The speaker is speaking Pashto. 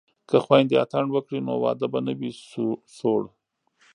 که خویندې اتڼ وکړي نو واده به نه وي سوړ.